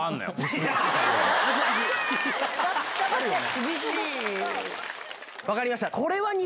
厳しい！